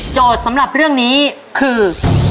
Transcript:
สำหรับเรื่องนี้คือ